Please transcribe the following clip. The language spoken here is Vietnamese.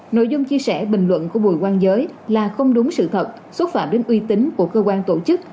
nội dung chia sẻ bình luận của bùi quang giới là không đúng sự thật xúc phạm đến uy tín của cơ quan tổ chức